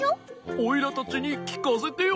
オイラたちにきかせてよ。